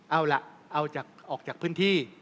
เอาล่ะเอาออกจากพื้นที่